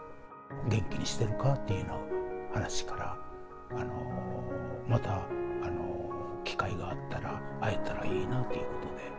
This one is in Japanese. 元気にしてるかっていうような話から、また機会があったら会えたらいいなということで。